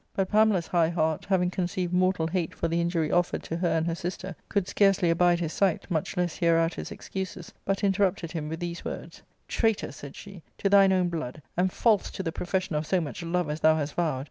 But Pamela's high heart, having conceived mortal hate for the injury offered to her and her sister, could scarcely abide his sight, much less hear out his excuses, but interrupted him with these words :" Traitor," said she, " to thine own blood, and false to the profession of so much love as thou hast vowed